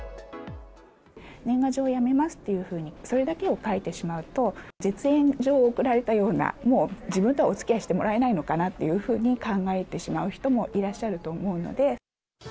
年賀状をやめますというふうに、それだけを書いてしまうと、絶縁状を送られたような、もう、自分とはおつきあいしてもらえないのかなというふうに考えてしまう人もいらっしゃると思うので。